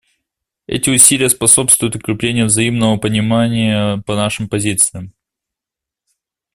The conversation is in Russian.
Эти усилия способствуют укреплению взаимного понимания по нашим позициям.